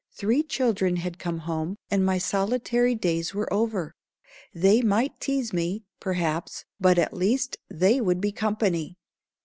Three children had come home, and my solitary days were over. They might tease me, perhaps, but at least they would be company.